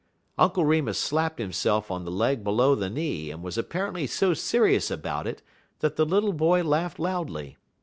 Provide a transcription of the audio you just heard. Uncle Remus slapped himself on the leg below the knee, and was apparently so serious about it that the little boy laughed loudly.